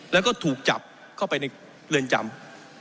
แล้วก็ถูกจับเข้าไปในเรือนจำ